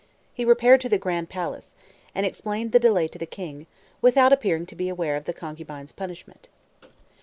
] he repaired to the Grand Palace, and explained the delay to the king, without appearing to be aware of the concubine's punishment.